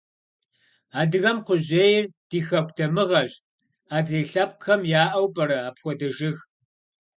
Адыгэм кхъужьейр ди хэку дамыгъэщ, адрей лъэпкъхэм яӀэу пӀэрэ апхуэдэ жыг?